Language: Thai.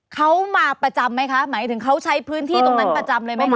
เขามาประจำไหมคะหมายถึงเขาใช้พื้นที่ตรงนั้นประจำเลยไหมคะ